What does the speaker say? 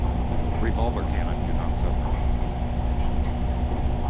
Revolver cannon do not suffer from these limitations.